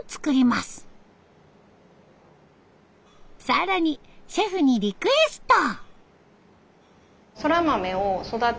更にシェフにリクエスト。